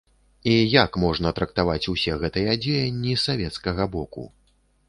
І як можна трактаваць усе гэтыя дзеянні савецкага боку?